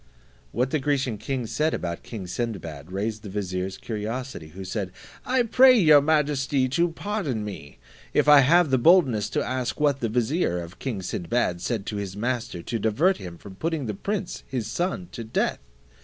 What the Grecian king said about king Sinbad raised the vizier's curiosity, who said, "I pray your majesty to pardon me, if I have the boldness to ask what the vizier of king Sinbad said to his master to divert him from putting the prince his son to death."